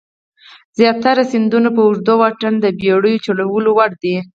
زیاتره سیندونه په اوږده واټن د بېړیو چلولو وړ دي.